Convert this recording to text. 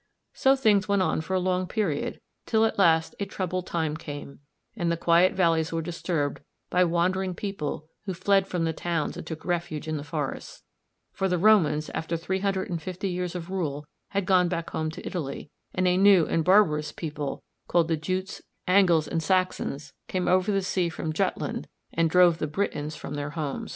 So things went on for a long period till at last a troubled time came, and the quiet valleys were disturbed by wandering people who fled from the towns and took refuge in the forests; for the Romans after three hundred and fifty years of rule had gone back home to Italy, and a new and barbarous people called the Jutes, Angles, and Saxons, came over the sea from Jutland and drove the Britons from their homes.